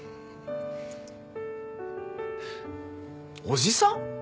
おじさん？